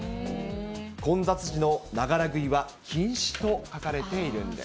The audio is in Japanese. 混雑時のながら食いは禁止と書かれているんです。